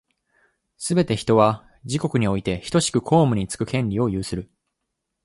すべて人は、自国においてひとしく公務につく権利を有する。